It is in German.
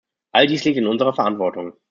All dies liegt in unserer Verantwortung.